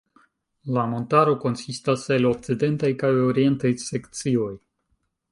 La montaro konsistas el okcidentaj kaj orientaj sekcioj.